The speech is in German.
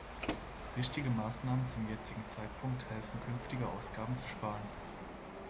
Richtige Maßnahmen zum jetzigen Zeitpunkt helfen, künftige Ausgaben zu sparen.